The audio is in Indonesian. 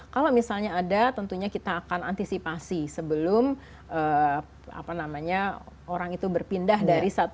kalau misalnya ada tentunya kita akan antisipasi sebelum orang itu berpindah dari satu